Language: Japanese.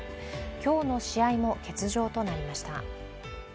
今日の試合も欠場となりました。